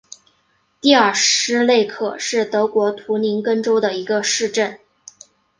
蒂尔施内克是德国图林根州的一个市镇。